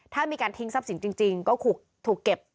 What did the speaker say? ถ้ามีการทิ้งทรัพย์สินจริงก็ถูกเก็บ